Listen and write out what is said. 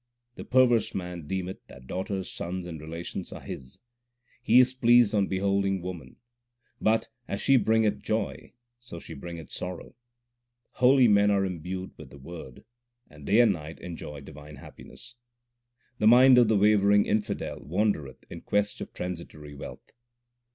The perverse man deemeth that daughters, sons, and relations are his. He is pleased on beholding woman, but, as she bringcth joy, so she bringeth sorrow. Holy men are imbued with the Word, and day and night enjoy divine happiness. The mind of the wavering infidel wandereth in quest of transitory wealth.